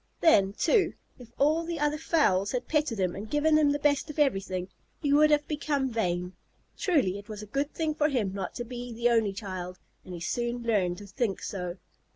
Then, too, if all the other fowls had petted him and given him the best of everything, he would have become vain. Truly, it was a good thing for him not to be the only child, and he soon learned to think so.